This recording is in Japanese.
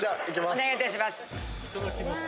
お願いいたします。